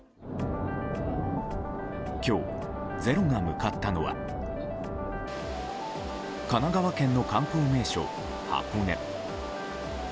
今日「ｚｅｒｏ」が向かったのは神奈川県の観光名所・箱根。